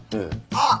あっ。